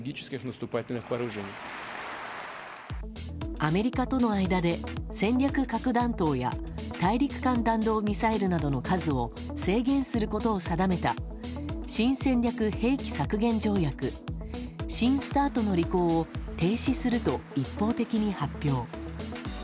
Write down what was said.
アメリカとの間で戦略核弾頭や大陸間弾道ミサイルなどの数を制限することを定めた新戦略兵器削減条約・新ＳＴＡＲＴの履行を停止すると一方的に発表。